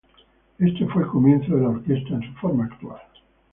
Este fue el comienzo de la orquesta en su forma actual.